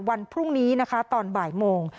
วันพรุ่งนี้นะคะตอนบ่ายโมง